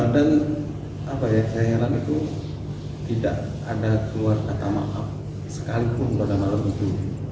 dan saya heran itu tidak ada keluar kata maaf sekalipun pada malam itu